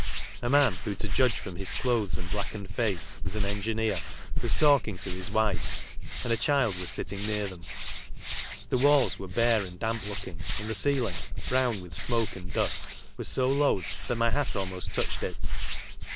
A man, who, to judge from his clothes and blackened face, was an engineer, was talking to his wife, and a child was sitting near them. The walls were bare and damp looking, and the ceiling, brown with smoke and dust, was so low that my hat almost touched it.